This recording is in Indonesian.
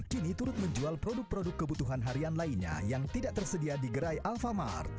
kini turut menjual produk produk kebutuhan harian lainnya yang tidak tersedia di gerai alphamart